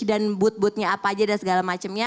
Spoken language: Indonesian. dan booth boothnya apa aja dan segala macemnya